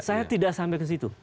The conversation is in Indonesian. saya tidak sampai ke situ